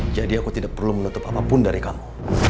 jadi aku tidak perlu menutup apapun dari kamu